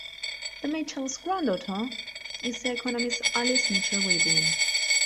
The Mitchells' granddaughter is the economist Alice Mitchell Rivlin.